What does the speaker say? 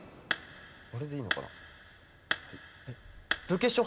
あれでいいのかな？